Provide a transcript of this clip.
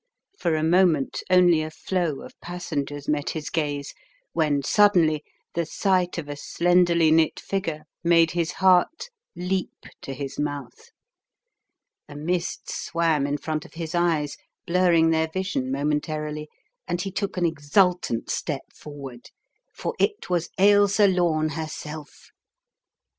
For a moment only a flow of passengers met his gaze, when suddenly the sight of a slenderly knit figure made his heart leap to his mouth. A mist swam in front of his eyes, blurring their vision momentarily, and he took an exultant step forward. For it was Ailsa Lome herself.